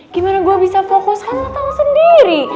gimana gue bisa fokuskan sama tangan sendiri